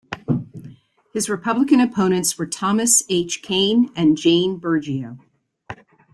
His Republican opponents were Thomas H. Kean and Jane Burgio.